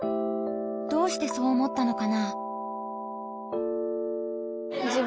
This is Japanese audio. どうしてそう思ったのかな？